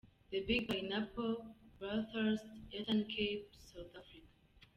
The Big Pineaplle, Barthurst, Eastern Cape, South Africa.